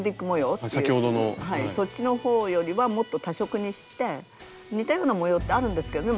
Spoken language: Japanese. そっちのほうよりはもっと多色にして似たような模様ってあるんですけどね